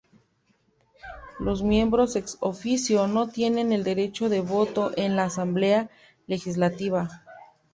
Los miembros "ex officio" no tienen el derecho de voto en la Asamblea Legislativa.